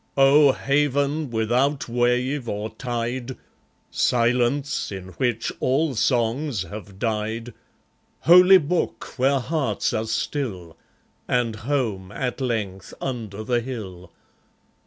... O haven without wave or tide! Silence, in which all songs have died! Holy book, where hearts are still! And home at length under the hill!